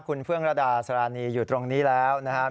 คุณเฟื่องระดาสารีอยู่ตรงนี้แล้วนะครับ